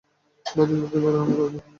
বাজি ধরতে পারো, আমি করব।